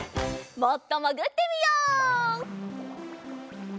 もっともぐってみよう。